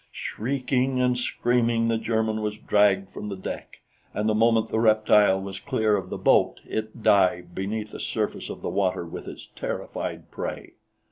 Shrieking and screaming, the German was dragged from the deck, and the moment the reptile was clear of the boat, it dived beneath the surface of the water with its terrified prey.